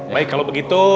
baik kalau begitu